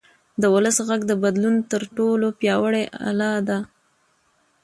د ولس غږ د بدلون تر ټولو پیاوړی اله ده